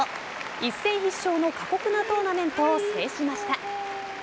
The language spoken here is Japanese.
一戦必勝の過酷なトーナメントを制しました。